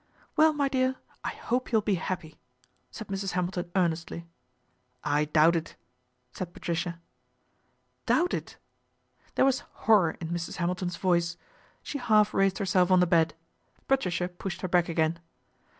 ' Well, my dear, I hope you'll be happy," said Mrs. Hamilton earnestly. " I doubt it," said Patricia. " Doubt it !" There was horror in Mrs. Hamil ton's voice. She half raised herself on the bed. Patricia pushed her back again.